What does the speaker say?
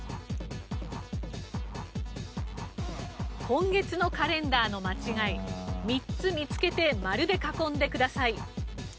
今月のカレンダーの間違い３つ見つけて丸で囲んでください。